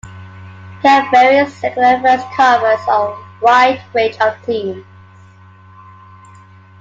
Kamberi's secular verse covers a wide range of themes.